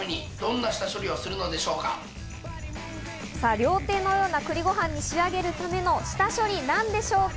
料亭のような栗ご飯に仕上げるための下処理、何でしょうか？